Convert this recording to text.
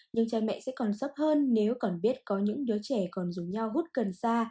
nhưng cha mẹ sẽ còn sốc hơn nếu còn biết có những đứa trẻ còn rủ nhau hút cần xa